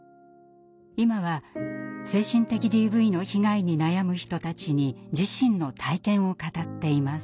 今は精神的ＤＶの被害に悩む人たちに自身の体験を語っています。